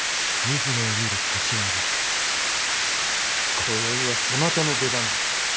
今宵はそなたの出番じゃ。